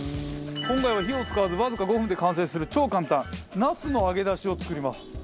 今回は火を使わずわずか５分で完成する超簡単なすの揚げ出しを作ります。